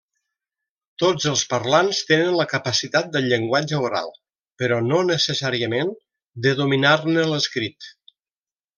Tots els parlants tenen la capacitat del llenguatge oral, però no necessàriament de dominar-ne l'escrit.